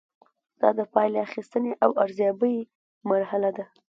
دا د پایلې اخیستنې او ارزیابۍ مرحله ده.